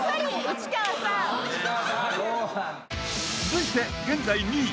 ［続いて現在２位］